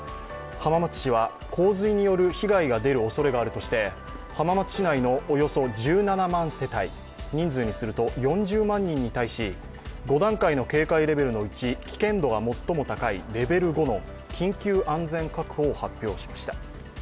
浜松市は洪水による被害が出るおそれがあるとして浜松市内のおよそ１７万世帯人数にすると４０万人に対し、５段階の警戒レベルのうち危険度が最も高いレベル５の緊急安全確保を発表しました。